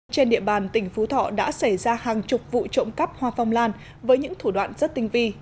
trên địa bàn tỉnh phú thọ đã xảy ra hàng chục vụ trộm cắp hoa phong lan với những thủ đoạn rất tinh vi